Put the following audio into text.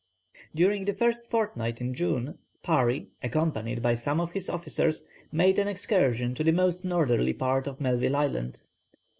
] During the first fortnight in June, Parry, accompanied by some of his officers, made an excursion to the most northerly part of Melville Island.